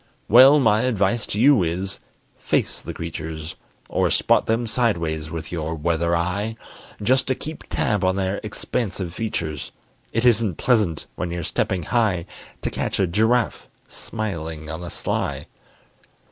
Well, my advice to you is, Face the creatures, Or spot them sideways with your weather eye, Just to keep tab on their expansive features; It isn't pleasant when you're stepping high To catch a giraffe smiling on the sly.